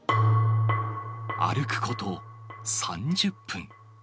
歩くこと３０分。